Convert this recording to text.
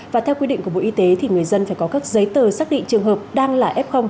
và theo quy định của bộ y tế thì người dân phải có các giấy tờ xác định trường hợp đang là f